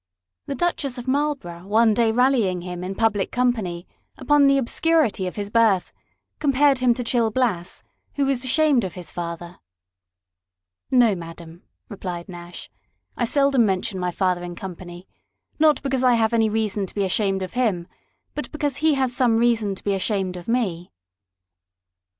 The Duchess of Marlborough one day rallying him in public company upon the obscurity of his birth, compared him to Gil Bias, who was ashamed of his father: " No, Madam," replied Nash, " I seldom mention my father in company ; not because I have any reason to be ashamed of him, but because he has some reason to be ashamed of me."